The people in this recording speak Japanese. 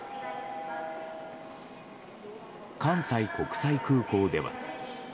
関西国際空港では。